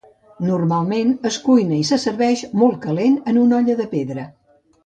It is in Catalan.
Normalment es cuina i se serveix molt calent en una olla de pedra.